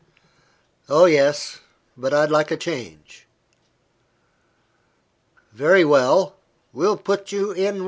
"Oh, yes; but I'd like a change." "Very well; we'll put you in No.